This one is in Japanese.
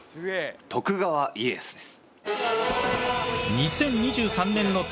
徳川家康です。